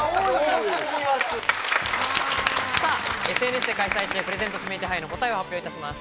ＳＮＳで開催中、プレゼント指名手配の答えを発表いたします。